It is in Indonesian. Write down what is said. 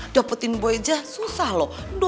dapetin boy aja susah lho